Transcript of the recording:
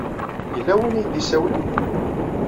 Yella win i yi-d-isawlen?